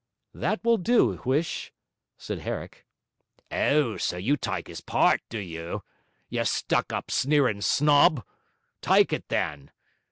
'That will do, Huish,' said Herrick. 'Oh, so you tyke his part, do you? you stuck up sneerin' snob! Tyke it then.